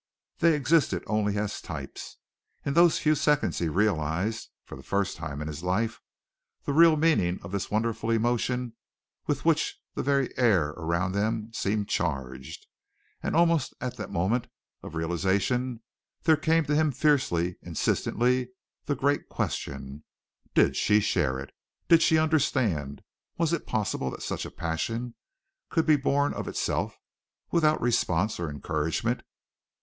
They existed only as types. In those few seconds he realized, for the first time in his life, the real meaning of this wonderful emotion with which the very air around them seemed charged, and almost at the moment of realization there came to him fiercely, insistently, the great question, did she share it, did she understand, was it possible that such a passion could be born of itself, without response or encouragement?